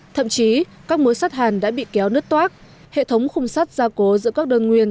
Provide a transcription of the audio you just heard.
thậm chí các mối sắt hàn đã bị kéo nứt toác hệ thống khung sắt gia cố giữa các đơn nguyên